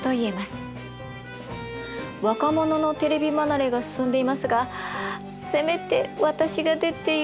若者のテレビ離れが進んでいますがせめて私が出ている